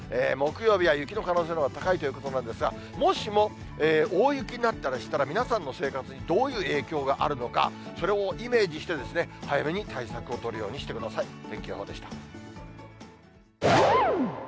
木曜日は雪の可能性のほうが高いということなんですが、もしも大雪になったりしたら、皆さんの生活にどういう影響があるのか、それをイメージして、早めに対策を取るようにしてください。